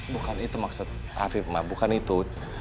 bukan itu maksud afiqmah bukan itu